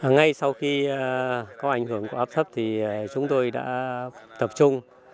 ngay sau khi có ảnh hưởng của áp thấp thì chúng tôi đã tập trung